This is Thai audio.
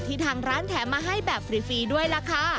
ทางร้านแถมมาให้แบบฟรีด้วยล่ะค่ะ